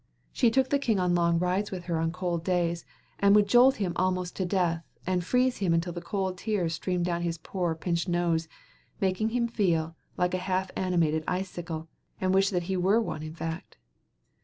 She took the king on long rides with her on cold days, and would jolt him almost to death, and freeze him until the cold tears streamed down his poor pinched nose, making him feel like a half animated icicle, and wish that he were one in fact.